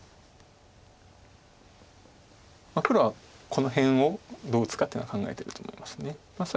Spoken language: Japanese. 黒はこの辺をどう打つかっていうのは考えてると思います。